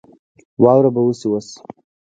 واوره به وشي اوس